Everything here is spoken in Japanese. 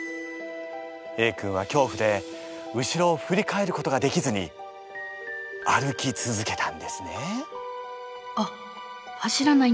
Ａ君はきょうふで後ろをふり返ることができずに歩き続けたんですね。